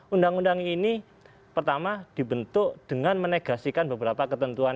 undang undang ini pertama dibentuk dengan menegasikan beberapa ketentuan